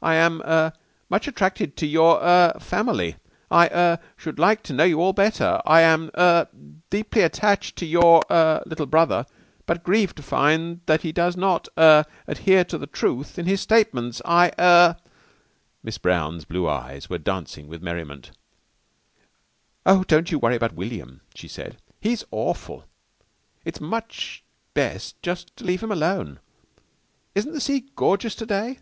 I am er much attracted to your er family. I er should like to know you all better. I am er deeply attached to your er little brother, but grieved to find that he does not er adhere to the truth in his statements. I er " Miss Brown's blue eyes were dancing with merriment. "Oh, don't you worry about William," she said. "He's awful. It's much best just to leave him alone. Isn't the sea gorgeous to day?"